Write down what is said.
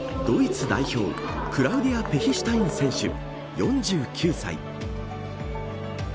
ドイツ代表クラウディア・ペヒシュタイン選手４９歳。